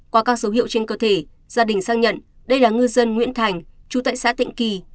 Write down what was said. qua các dấu hiệu trên cơ thể gia đình xác nhận đây là ngư dân nguyễn thành chú tại xã tịnh kỳ